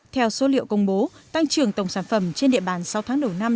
theo số liệu công bố tăng trưởng tổng sản phẩm trên địa bàn sáu tháng đầu năm